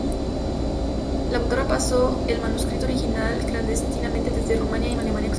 La autora pasó el manuscrito original clandestinamente desde Rumanía a Alemania Occidental.